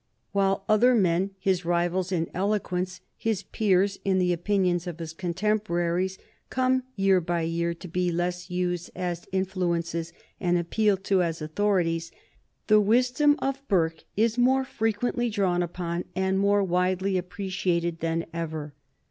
While other men, his rivals in eloquence, his peers in the opinions of his contemporaries, come year by year to be less used as influences and appealed to as authorities, the wisdom of Burke is more frequently drawn upon and more widely appreciated than ever.